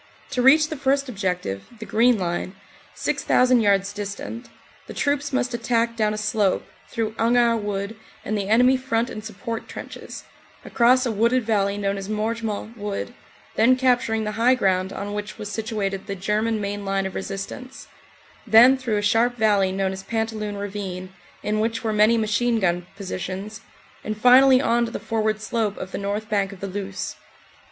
To reach the first objective, the Green Line, 6,000 yards dis tant, the troops must attack down a slope, through Hangard Wood and the enemy front and support trenches, across a wooded valley known as Morgemont Wood, then capturing the high ground on which was situated the German main line 46 CANADA S HUNDRED DAYS of resistance, then through a sharp valley known as Pantaloon Ravine in which were many machine gun positions, and fin ally on to the forward slope of the north bank of the Luce.